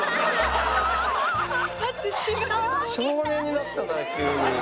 少年になったな急に。